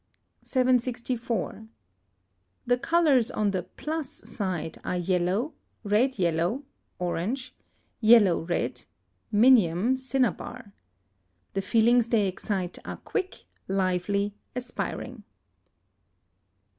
764. The colours on the plus side are yellow, red yellow (orange), yellow red (minium, cinnabar). The feelings they excite are quick, lively, aspiring.